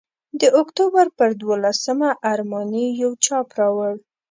د اکتوبر پر دوولسمه ارماني یو چاپ راوړ.